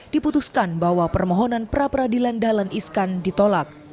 diputuskan bahwa permohonan pra peradilan dahlan iskan ditolak